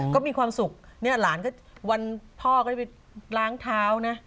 ก็มีความสุขเนี่ยหลานก็วันพ่อก็จะไปล้างเท้านะ